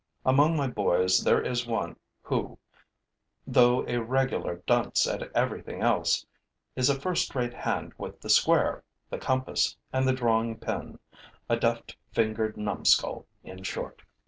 Among my boys, there is one who, though a regular dunce at everything else, is a first rate hand with the square, the compass and the drawing pen: a deft fingered numskull, in short.